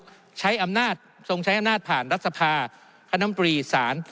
ทรงใช้อำนาจผ่านรัฐสภาคณมปรีศาล